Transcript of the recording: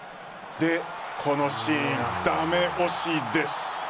このシーン、駄目押しです。